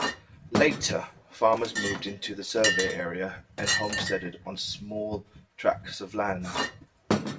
Later, farmers moved into the survey area and homesteaded on small tracts of land.